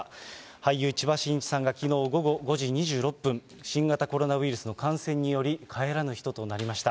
俳優、千葉真一さんがきのう午後５時２６分、新型コロナウイルスの感染により、帰らぬ人となりました。